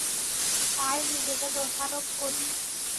তাই নিজেকে দোষারোপ করি!